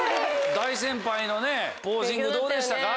大先輩のポージングどうでしたか？